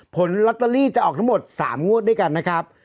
ผลลอตเตอรี่จะออกทั้งหมด๓งวดด้วยกันนะครับ